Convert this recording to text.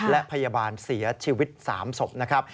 และพยาบาลเสียชีวิต๓ศพนะครับ